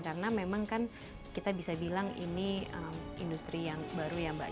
karena memang kan kita bisa bilang ini industri yang baru ya mbak